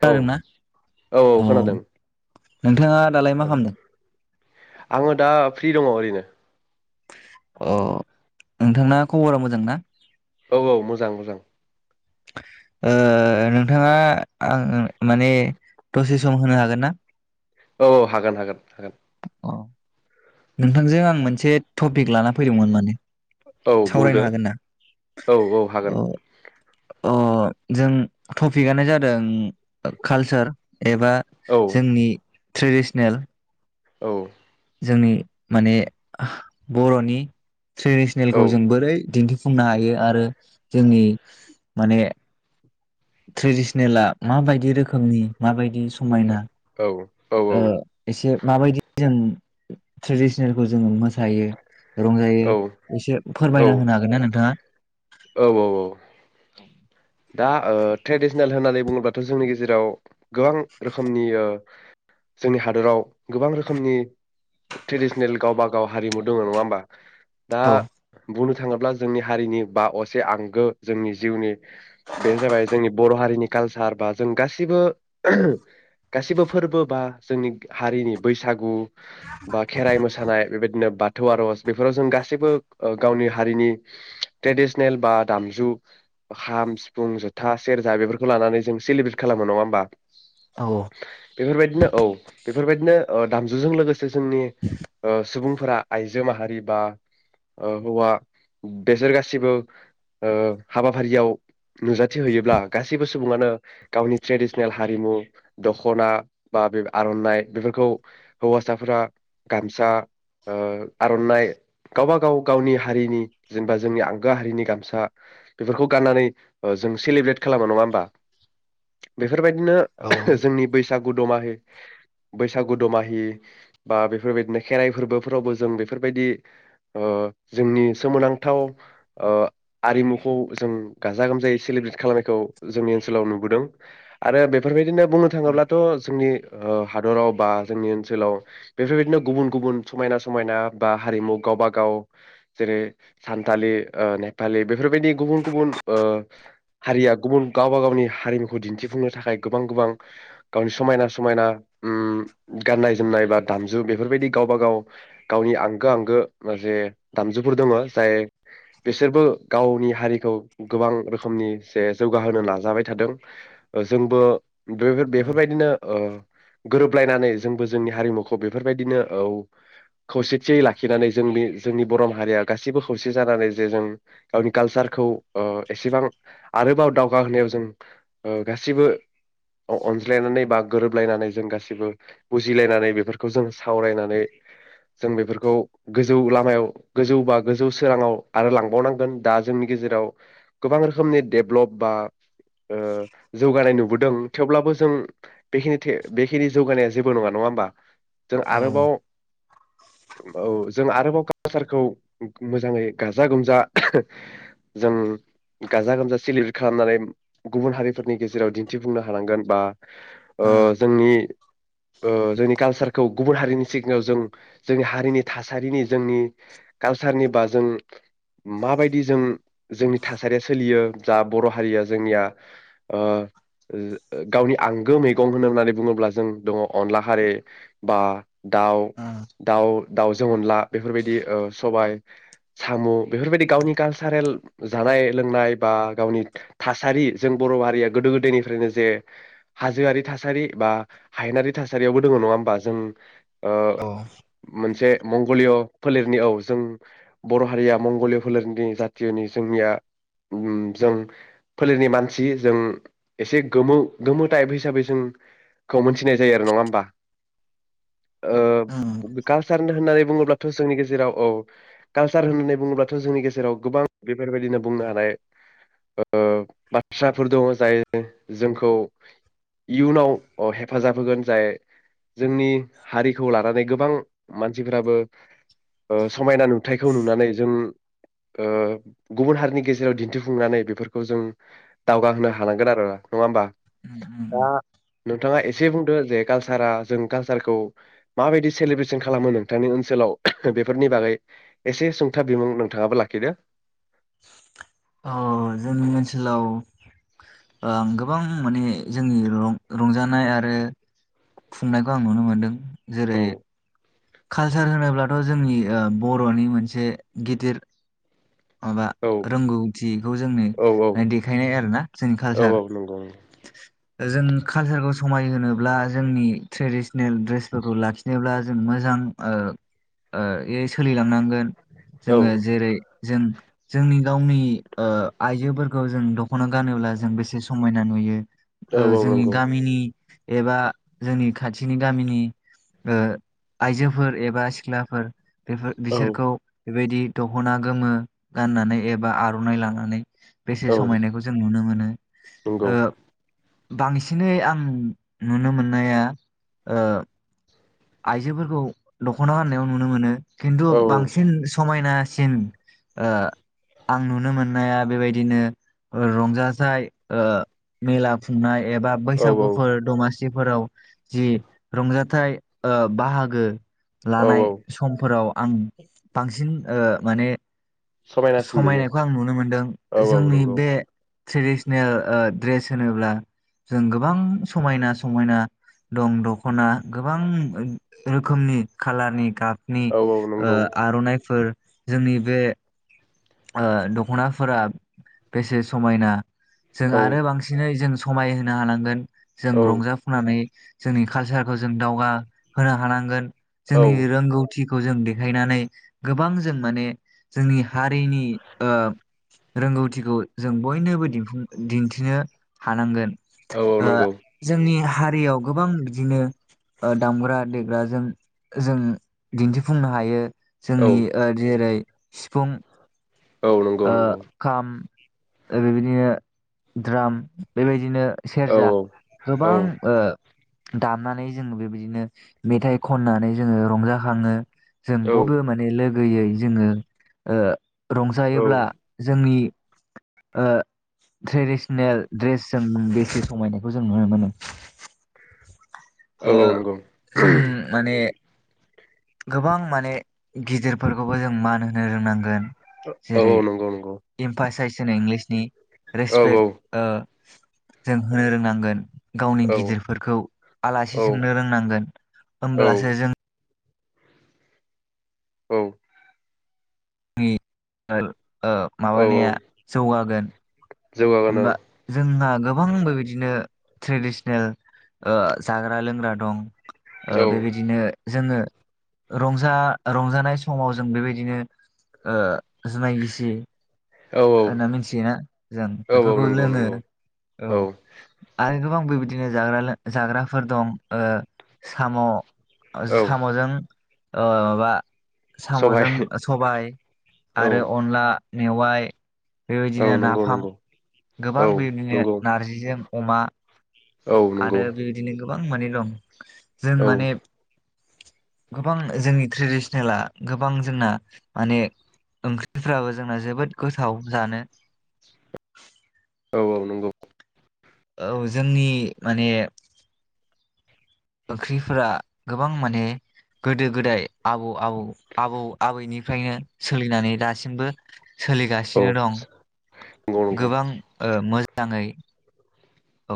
औ खोनादोंना औ नोंथाङा दालाय औ मा खालामदों? आङो दा फ्रि दङ ओरैनो अ नोंथांना खबरा मोजां ना? औ औ मोजां मोजां ओ नोंथाङा आं ओं माने दसे सम होनो हागोन ना? औ औ हागोन हागोन हागोन। औ नोंथांजों आं मोनसे टपिक लाना फैदोंमोन माने औ सावरायनो बुंदो हागोन ना औ औ अ हागोन। अ जों टपिकआनो जादों कालचार एबा औ जोंनि ट्रेडिसनेल औ जोंनि माने आं बरनि औ ट्रेडिसनेलखौ जों बोरै दिन्थि फुंनो हायो आरो जोंनि माने ट्रेडिसनेला माबायदि रोखोमनि माबायदि समायना ओ एसे माबायदि जों ट्रेडिसनेलखौ जोङो मोसायो रंजायो औ एसे फोरमायना होनो हागोन ना नोंथाङा? औ औ औ दा ओ ट्रेडिसनेल होननानै बुङोब्लाथ जोंनि गेजेराव गोबां रोखोमनि ओ जोंनि हादराव गोबां रोखोमनि ट्रेडिसनेल गावबा गाव हारिमु दङ नङा होमबा? दा औ बुंनो थाङोब्ला जोंनि हारिनि बा असे आंगो जोंनि जिउनि बेनो जाबाय जोंनि बर हारिनि कालचार बा जों गाैबो गाैबो फोरबो बा जोंनि हारिनि बैसागु बा खेराइ मोसानाय बेबायदिनो बाथौ आरज बेफोराव जों गासैबो गावनि हारिनि ट्रेडिसनेल बा दामजु खामस सिफुं जथा सेरजा बेफोरखौ लानानै जों सेलिब्रेट खालामो नङा होमबा? औ बेफोरबायदिनो औ बेफोरबायदिनो दामजुजों लोगोसे जोंनि सुबुंफोरा आइजो माहारि बा हौवा बेसोर गासिबो हाबाफारियाव नुजाथि हैयोब्ला गासैबो सुबुङानो गावनि ट्रेडिसनेल हारिमु दखना बा बे आरनाइ बेफोरखौ हौवासाफोरा गामसा आरनाइ गावब गाव गावनि हारिनि जेनेबा जोंनि आंगो हारिनि गामसा बेफोरखौ गाननानै जों सेलिब्रेट खालामो नङा होमबा? बेफोरबायदिनो औ जोंनि बैसागु दमाहि बैसागु दमाहि बा बेफोरबायदिनो खेराइ फोरबोफोरावबो जों बेफोरबायदि जोंनि सोमोनांथाव आरिमुखौ जों ग गाजा गोमजायै सलिब्रेट खालामनायखौ जोंनि ओनसोलाव नुबोदों आरो बेफोरबायदिनो बुंनो थाङोब्लाथ जोंनि हादराव बा जोंनि ओनसोलाव बेफोरबायदिनो गुबुन गुबुन समायना समायना बा हारिमु गावबाागाव जेरै सानथालि नेपालि बेफोरबायदि गुबुन गुबुन हारिया गुबुन गावबा गावनि हारिमुखौ दिन्थिफुंनो थाखाय गोबां गोबां गावनि समायना समायना गाननाय जोमनाय बा दामजु बेफोरबायदि गावबा गाव गावनि आंगो आंगो मोन जे दामजुफोर दङ जाय बिसोरबो गावनि हारिखौ गोबां रोखोमनि जे जौगाहोनो नाजाबाय थादों जोंबो बे बेफोरबायदिनो गोरोबलायनानै जोंबो जोंनि हारिमुखौ बेफोरबायदिनो खौसेथियै लाखिनानै जोंनि जोंनि बर माहारिया गाससिबो खौसे जानानै जे जों गावनि कालसारखौ एसेबां आरोबाव दावगा होनोनायाव जों गाैबो अनज्लायनानै बा गोरोबलायनानै जों गाैबो बुजिलायनानै बेफोरखौ जों सावरायनानै जों बेफोरखौ गोजौ लामायाव गोजौ बा गोजौ सोराङाव आरो लांबावनांगोन दा जोंनि गेजेराव गोबां रोखोमनि डेभलप बा जौगानाय नुबो दों थेवब्लाबो जों बेखिनि जौगानाया जेबो नङा नङा होमबा जों औ आरोबाव औ जों आरोबाव कालसारखौ मोजाङै गाजा गोमजा जों गाजा गोमजा सलिब्रेट खालामनानै गुबुन हारिफोरनि गेजेराव दिन्थिफुंनो हानांगोन बा जोंनि जोंनि कालसारखौ गुबुन हारिनि सिगाङाव जों जोंनि हारिनि थासारिनि जोंनि कालसारनि बा जों माबायदि जों जोंनि थासारिया सोलियो जा बर हारिया जोंनिया गावनि आंगो मैगं होनो होननानै बुङोब्ला जों दङ अनला खारि बा दाउ दाउ दाउजों अनला बेफोरबायदि सबाय साम बेफोरबायदि गावनि कालसारेल जानाय लोंनाय बा गावनि थासारि जों बर हारिया गोदो गोदायनिफ्रायनो जे हाजोआरि थासारि बा हायेनारि थासारियावबो दङ नङा होमबा जों औ मोनसे मंगलिय फोलेरनि औ जों बर हारिया मंगलिय फोलेरनि जातियनि जोंनिया जों फोलेरनि मानसि जों एसे गोमो गोमो टाइप हिसाबै जोंखौ मोनथिनाय जायो आरो नङा होमबा कालसार होननानै बुङोब्लाथ जोंनि गेजेराव औ कालसार होननानै बुङोब्लाथ जोंनि गेजेराव गोबां बेफोरबायदिनो बुंनो हानाय बाथ्राफोर दङ जाय जोंखौ इयुनाव हेफाजाब होगोन जाय जोंनि हारिखौ लानानै गोबां मानसिफोराबो समायना नुथायखौ नुनानै जों गुबुन हारिनि गेजेराव दिन्थिफुंनानै बेफोरखौ जों दावगा होनोनो हानांगोन आरो नङा होमबा दा नोंथाङा एसे बुंदो जे कालसारा जों कालसारखौ माबायदि सेलेब्रेसन खालामो नोंथांनि ओनसोलाव बेफोरनि बागै एसे सुंथाब बिमुं नोंथाङाबो लाखिदो जोंनि ओनसोलाव आ गोबां माने जोंनि रंजानाय आरो खुंनायखौ आं नुनो मोनदों जेरै औ कालचार होनोब्लाथ जोंनि बरनि मोनसे गिदिर माबा औ रोंगौथिखौ जोंनो औ औ देखायनाय आरो ना जोंनि औ कालचार औ नंगौ जों कालसारखौ समायहोब्ला जोंनि ट्रेडिसनेल ड्रेसफोरखौ लाखिनोब्ला जों मोजां सोलिलांनांगोन औ जोङो जेरै जों जोंनि गावनि ओ आइजोफोरखौ जों दखना गानोब्ला जों बेसे समायना नुयो ओ औ औ जोंनि नंगौ गामिनि एबा जोंनि खाथिनि गामिनि ओ आइजोफोर एबा सिख्लाफोर औ बिसोरखौ बेबायदि द'खना गोमो गाननानै एबा आरनाइ लानानै बेसे औ समायनायखौ जों नुनो मोनो। नंगौ। ओ बांसिनै आं नुनो मोननाया ओ आइजोफोरखौ द'खना गाननायाव नुनो मोनो। खिन्थु औ बांसिन समाय ना सिन ओ आं नुनो मोननाया बेबायदिनो रंजाजाइ ओ मेला खुंनाय एबा औ औ बैसागुफोर दमासि। सिफोराव जि रंजाथाइ ओ बाहागो औ लानाय औ समफोराव आं बांसिन ओ माने समायनासिन नुयो समायनायखौ आं नुनो मोनदों औ औ जोंनि नंगौ बे ट्रेडिसनेल ओ ड्रेस होनोब्ला जों गोबां समायना समायना दं द'खना गोबां रोखोमनि खालारनि गाबनि औ औ ओ नंगौ आर'नाइफोर जोंनि बे ओ दख'नाफोरा बेसे समायना जों औ आरो बांसिनै जों समायहोनो हानांगोन जों औ रंजाफुनानै जोंनि कालसारखौ जों दावगा होनो हानांगोन। औ जोंनि रोंगौथिखौ खौ जों देखायनानै गोबां जों माने जोंनि हा रिनि ओ रोंगौथिखौ जों बयनोबो दिनफुं दिन्थिनो हानांगोन। औ औ ओ नंगौ जोंनि हारियाव गोबां बिदिनो ओ दामग्रा देग्राजों जों दिन्थिफुंनो हायो। जोंनि औ ओ जेरै सिफुं औ नंगौ ओ नंगौ खाम बेबायदिनो द्राम बेबायदिनो औ सेरजा औ गोबां ओ दामनानै जों बेबायदिनो मेथाइ खननानै जोङो रंजाखाङो। जों औ बयबो माने लोगो गोयै जोङो ओ रं औ जायोब्ला जोंनि ओ ट्रेडिसनेल ड्रेसजों बेसे समायनायखौ जों नुनो मोनो। औ ओ औ नंगौ जों माने गोबां माने गिदिरफोरखौबो जों मान होनो रोंनांगोन। ओ जेरै औ नंगौ नंगौ। [unintelligible] इंलिसनि औ औ रेसपेक्ट ओ जों होनो रोंनांगोन। गावनि औ गिदिरफोरखौ आलासि सोंनो रोंनांगोन औ होमब्लासो जों। औ। [unintelligible] ओ औ माबानाया जौगागोन। जौगागोनां होमबा जोंहा। गोबांबो बिदिनो ट्रेडिसनेल ओ जाग्रा लोंग्रा दं। ओ औ बेबायदिनो जोङो। रंजा रंजानाय समाव जों बेबायदिनो ओ। जुमाय गिसि। औ होनना मिथियोना जों औ औ बेफोरखौ नंगौ लोङो नंगौ औ आरो। गोबां बेबायदिनो जाग्रा लों जाग्राफोर दं ओ साम। औ सामजों। [unintelligible] माबा । सबाय सामजों सबाय औ आरो अनला। मेवाय। औ बेबायदिनो नंगौ नाफाम नंगौ औ गोबां बेबायदिनो नंगौ नारजिजों। अमा। औ नंगौ आरो बेबायदिनो। गोबां मानि दं। जों औ माने। गोबां जोंनि ट्रेडिसनेला गोबां जोंना माने ओंख्रिफ्राबो जोंना जोबोद गोथाव जानो। औ औ नंगौ। औ जोंनि माने। ओंख्रिफोरा गोबां माने गोदो गोदाय आबौ आबौ आबौ आबैनिफ्रायनो सोलिनानै दासिमबो। सोलिगासिनो औ दं नंगौ नंगौ गोबां ओ मोजां। जाङै। औ।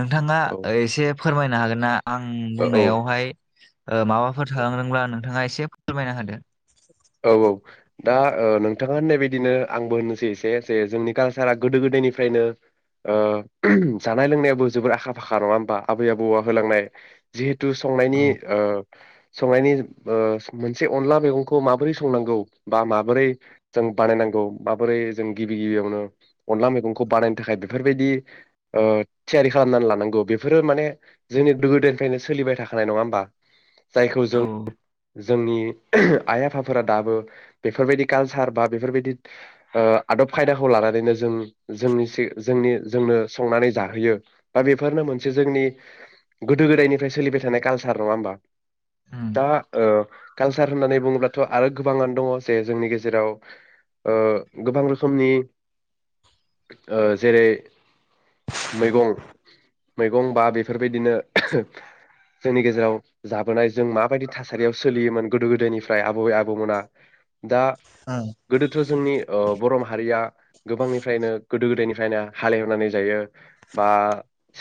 नोंथाङा औ एसे। फोरमायनो हागोन ना। आं औ बुंनायावहाय। ओ माबाफोर थालांदोंब्ला नोंथाङा एसे फोरमायना होदो। औ औ दा ओ नोंथाङा होननाय बायदिनो आंबो होननोसै एसे जे जोंनि कालसारा गोदो गोदायनिफ्रायनो ओ जानाय लोंनायावो जोबोर आखा फाखा नङा होमबा आबै आबौआ होलांनाय जि थु संनायनि औ ओ संनायनि ओ मोनसे अनला मैगंखौ खौ माबोरै संनांगौ बा माबोरै जों बानायनांगौ माबोरै जों गिबि गिबियावनो अनला मैगंखौ बानायनो थाखाय बेफोरबायदि ओ थियारि खालामनानै लानांगौ बेफोरो माने जोंनि गोदोनिफ्रायनो सोलिबाय थाखानाय नङा होमबा? जायखौ औ जों उम जोंनि आइ आफाफोरा दाबो बेफोरबायदि कालसार बा बेफोरबायदि ओ आदब खायदाखौ लानानैनो जों जोंनिसो जोंनि जोंनो संनानै जाहोयो बा बेफोरनो मोनसे जोंनि गोदो गोदायनिफ्राय सोलिबाय थानाय कालसार नङा होमबा? दा ओ कालसार होननानै बुं ब्लाथ' गोबाङ दङ जे जोंनि गेजेराव ओ गोबां रोखोमनि ओ जेरैै मैगं मैगं बा बेफोरबायदिनो जोंनि गेजेराव जाबोनाय जों माबायदि थासारियाव सोलियोमोन गोदो गोदायनि फ्राय आबै आबौ मोना दा ओं गोदोथ' जोंनि ओ बर' माहारिया गोबांनिफ्रायनो गोदो गोदायनि फ्रायनो हालेवनानै जायो बा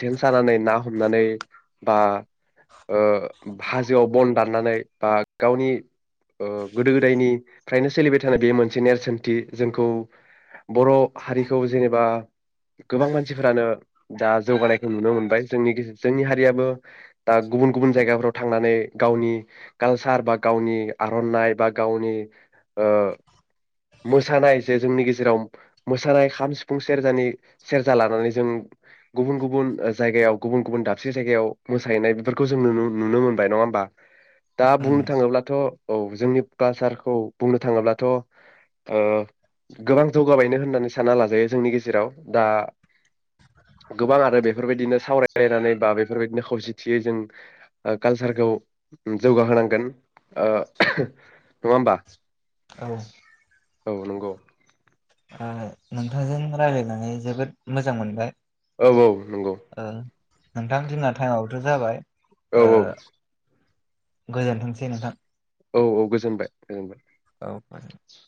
सेन सानानै ना हमनानै बा ओ हाजोआव बन दाननानै बा गावनि ओ गोदो गोदायनि फ्रायनो सोलिबाय थानाय बे मोनसे नेरसोनथि जोंखौ बर' हारिखौ जेनेबा गोबां मानसिफोरानो दा जौगानायखौ नुनो मोनबाय। जोंनि जोंनि हारियाबो दा गुबुन गुबुन जायगाफ्राव थांनानै गावनि कालसार बा गावनि आर'नाइ बा गावनि ओ मोसानाय जे जोंनि गेजेराव मोसानाय खाम सिफुं सेरजानि सेरजा लानानै जों गुबुन गुबुन जायगायाव गुबुन गुबुन दाबसे जायगायाव मोसाहैनाय बेफोरखौ जों नु-नुनो मोनबाय नङा होमबा? दा उम बुंनो थाङोब्लाथ' औ जोंनि कालसारखौ बुंनो थाङोब्लाथ' ओ गोबां जौगाबायनो होननानै सानना लाजायो जोंनि गेजेराव दा गोबां आरो बेफोरबायदिनो सावरायलायनानै बा बेफोरबायदिनो खौसेथियै जों कालसारखौ जौगाहोनांगोन। ओ नङा होमबा? औ औ नंगौ। ओ नोंथांजों रायलायनानै जोबोद मोजां मोनबाय। औ औ नंगौ। ओ नोंथां जोंना टाइमाबोथ' जाबाय। औ ओ गोजोनथोंसै नोंथां। औ औ गोजोनबाय गोजोनबाय। औ [unintelligible]